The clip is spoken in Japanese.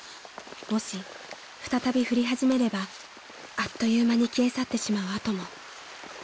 ［もし再び降り始めればあっという間に消え去ってしまう跡も］